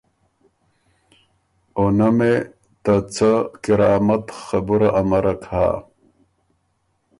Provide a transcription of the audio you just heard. او نۀ مې ته څۀ کرامت خبُره امرک هۀ۔